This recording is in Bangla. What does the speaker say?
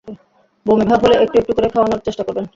বমি ভাব হলে একটু একটু করে খাওয়ানোর চেষ্টা করবেন।